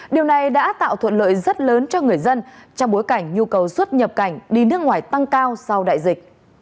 điều này đã tạo thuận lợi rất lớn cho người dân trong bối cảnh nhu cầu xuất nhập cảnh đi nước ngoài tăng cao sau đại dịch